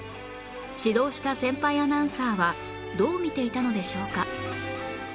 指導した先輩アナウンサーはどう見ていたのでしょうか？